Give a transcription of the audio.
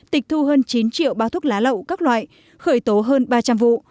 tịch thu hơn chín triệu bao thuốc lá lậu các loại khởi tố hơn ba trăm linh vụ